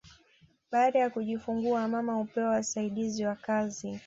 Baada ya kujifungua mama hupewa wasaidizi wa kazi